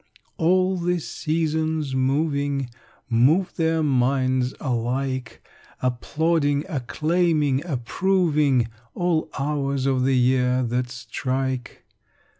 All the seasons moving Move their minds alike Applauding, acclaiming, approving All hours of the year that strike.